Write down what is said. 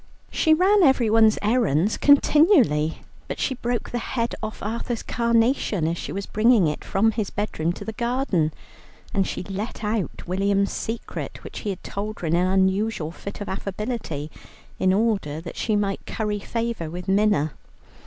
She ran everyone's errands continually, but she broke the head off Arthur's carnation as she was bringing it from his bedroom to the garden, and she let out William's secret, which he had told her in an unusual fit of affability, in order that she might curry favour with Minna.